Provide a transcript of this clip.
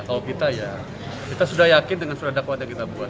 kalau kita ya kita sudah yakin dengan surat dakwaan yang kita buat